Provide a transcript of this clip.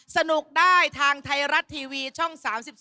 สนุกได้ทางไทยรัฐทีวีช่อง๓๒